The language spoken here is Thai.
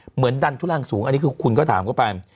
เหมือนดันทุรังสูงอันนี้คือคุณก็ถามเข้าไป